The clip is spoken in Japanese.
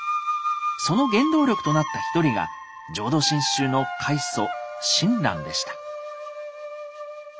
その原動力となった一人が浄土真宗の開祖・親鸞でした。